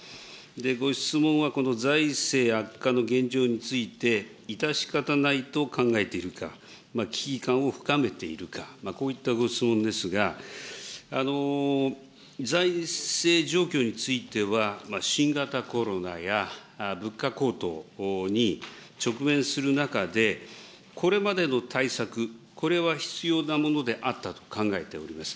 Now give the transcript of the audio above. ご質問はこの財政悪化の現状について、致し方ないと考えているか、危機感を深めているか、こういったご質問ですが、財政状況については、新型コロナや物価高騰に直面する中で、これまでの対策、これは必要なものであったと考えております。